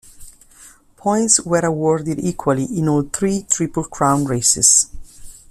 Points were awarded equally in all three Triple Crown races.